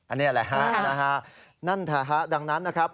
อันนี้แหละฮะนะฮะนั่นนะฮะดังนั้นนะครับ